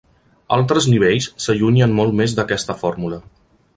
Altres nivells s'allunyen molt més d'aquesta fórmula.